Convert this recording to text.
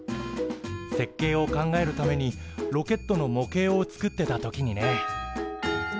設計を考えるためにロケットの模型を作ってた時にね。